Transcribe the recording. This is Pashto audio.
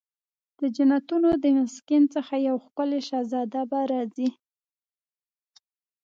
د جنتونو د مسکن څخه یو ښکلې شهزاده به راځي